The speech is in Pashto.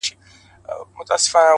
• بل موږك سو د جرگې منځته ور وړاندي,